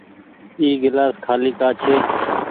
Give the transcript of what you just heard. اي گلآس کآلي ڪآ ڇي ۔